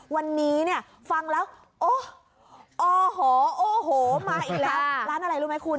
วันนี้เนี่ยฟังแล้วโอ้โหมาอีกแล้วร้านอะไรรู้ไหมคุณ